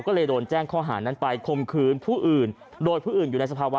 ก็เลยโดนแจ้งข้อหานั้นไปคมคืนผู้อื่นโดยผู้อื่นอยู่ในสภาวะ